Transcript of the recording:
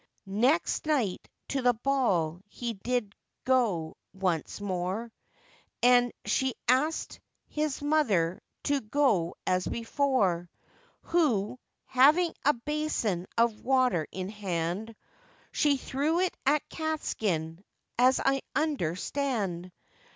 Next night to the ball he did go once more, And she askèd his mother to go as before, Who, having a basin of water in hand, She threw it at Catskin, as I understand.